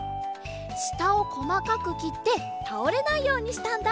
したをこまかくきってたおれないようにしたんだ。